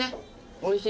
おいしい。